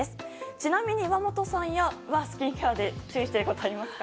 ちなみに岩本さんはスキンケアで注意してることはありますか？